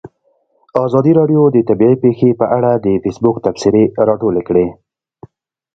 ازادي راډیو د طبیعي پېښې په اړه د فیسبوک تبصرې راټولې کړي.